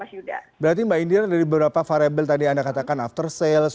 berarti mbak indira dari beberapa variable tadi anda katakan after sales